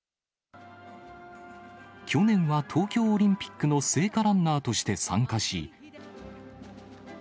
去年は東京オリンピックの聖火ランナーとして参加し。